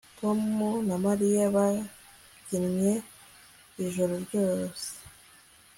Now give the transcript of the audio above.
Tom na Mariya babyinnye ijoro ryose